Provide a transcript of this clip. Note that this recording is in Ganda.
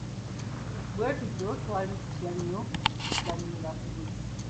Bwetutyo twali tutya nnyo okuzannyira ku luzzi.